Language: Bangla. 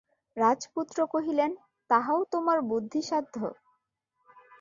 রাজপুত্র কহিলেন, তাহাও তোমার বুদ্ধিসাধ্য।